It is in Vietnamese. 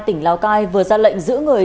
tỉnh lào cai vừa ra lệnh giữ người